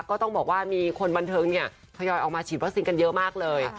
ก็ต้องบอกว่ามีคนบันเทิงเนี่ยทยอยออกมาฉีดวัคซีนกันเยอะมากเลย